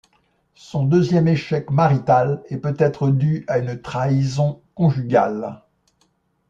Son deuxième échec marital est peut-être dû à une trahison conjugale.